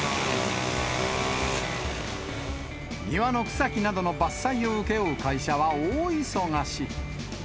庭の草木などの伐採を請け負う会社は大忙し。